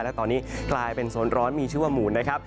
และตอนนี้กลายเป็นโซนร้อนมีชื่อว่าหมูนนะครับ